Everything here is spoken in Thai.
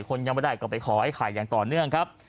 คนยังไม่ได้ก็ไปขอไอ้ไข่อย่างต่อเนื่องครับ